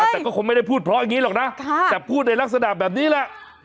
แต่ก็คงไม่ได้พูดเพราะอย่างนี้หรอกนะแต่พูดในลักษณะแบบนี้แหละ